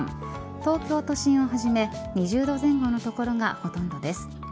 東京都心をはじめ２０度前後の所がほとんどです。